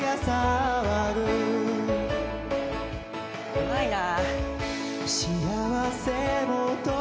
うまいな。